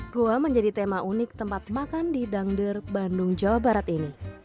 goa menjadi tema unik tempat makan di dangdur bandung jawa barat ini